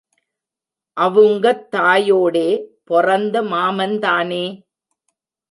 அவுங்கத் தாயோடே பொறந்த மாமந்தானே!